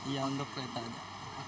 iya untuk kereta aja